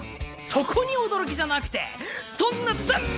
そこに驚きじゃなくてそんなつんっ